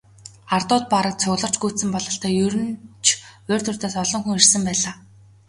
Ардууд бараг цугларч гүйцсэн бололтой, ер нь ч урьд урьдаас олон хүн ирсэн байлаа.